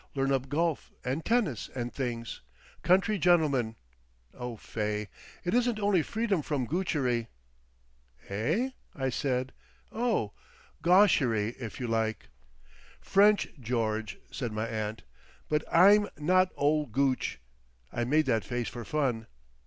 Learn up golf and tennis and things. Country gentleman. Oh Fay. It isn't only freedom from Goochery." "Eh?" I said. "Oh!—Gawshery, if you like!" "French, George," said my aunt. "But I'm not ol' Gooch. I made that face for fun."